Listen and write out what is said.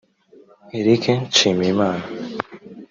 Eric Nshimiyimana